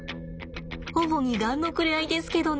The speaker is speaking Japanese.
主にガンのくれあいですけどね。